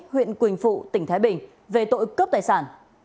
huyện quỳnh phụ tỉnh thái bình về tội cướp tài sản